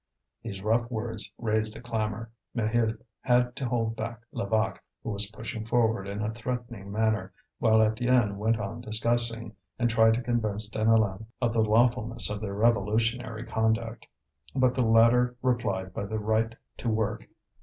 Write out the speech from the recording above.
These rough words raised a clamour. Maheu had to hold back Levaque, who was pushing forward in a threatening manner, while Étienne went on discussing, and tried to convince Deneulin of the lawfulness of their revolutionary conduct. But the latter replied by the right to work.